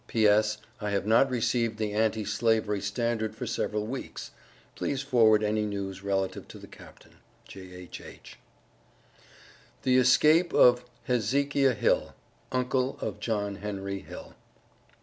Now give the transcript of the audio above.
P.S. I have not received the Anti Slavery Standard for several weeks. Please forward any news relative to the Capt. J.H.H. THE ESCAPE OF HEZEKIAH HILL. (UNCLE OF JOHN HENRY HILL.)